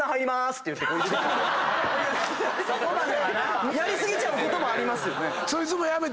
やり過ぎちゃうこともありますよね。